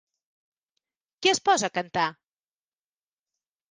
Qui es posa a cantar?